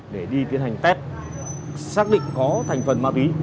để đi tiến hành test xác định có thành phần ma túy